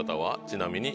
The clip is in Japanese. ちなみに。